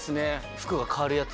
服が変わるやつ。